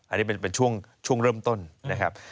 อันนี้เป็นช่วงเริ่มต้นนะครับ